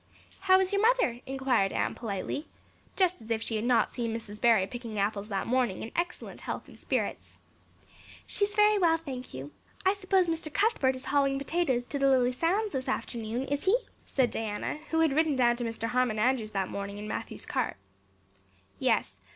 "How is your mother?" inquired Anne politely, just as if she had not seen Mrs. Barry picking apples that morning in excellent health and spirits. "She is very well, thank you. I suppose Mr. Cuthbert is hauling potatoes to the lily sands this afternoon, is he?" said Diana, who had ridden down to Mr. Harmon Andrews's that morning in Matthew's cart. "Yes.